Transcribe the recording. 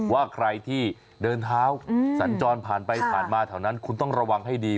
ว่าใครที่เดินเท้าสัญจรผ่านไปผ่านมาแถวนั้นคุณต้องระวังให้ดี